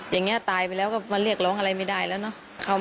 อย่างนี้ตายไปแล้วก็มาเรียกร้องอะไรไม่ได้แล้วเนอะ